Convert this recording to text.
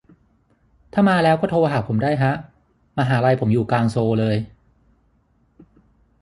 ถ้ามาแล้วก็โทรหาผมได้ฮะ มหาลัยผมอยู่กลางโซลเลย